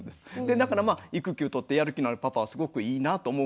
だから育休とってやる気のあるパパはすごくいいなと思う